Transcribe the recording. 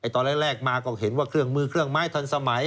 ตอนแรกมาก็เห็นว่าเครื่องมือเครื่องไม้ทันสมัย